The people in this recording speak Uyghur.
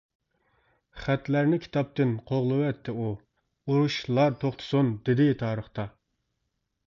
خەتلەرنى كىتابتىن قوغلىۋەتتى ئۇ ئۇرۇشلار توختىسۇن دېدى تارىختا.